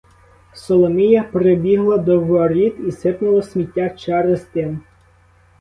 Соломія прибігла до воріт і сипнула сміття через тин.